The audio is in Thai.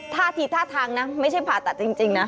ท่าทีท่าทางนะไม่ใช่ผ่าตัดจริงนะ